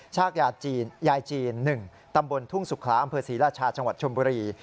ชากยาจีนยายจีน๑ตำบลทุ่งสุขลาอำเภอศรีราชาจังหวัดชมบุรี